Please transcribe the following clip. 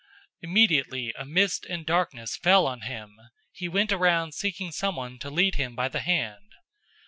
Immediately a mist and darkness fell on him. He went around seeking someone to lead him by the hand.